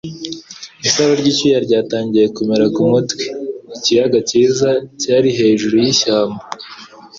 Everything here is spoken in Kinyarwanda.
Isaro ry icyuya ryatangiye kumera kumutwe. Ikiyaga cyiza cyari hejuru yishyamba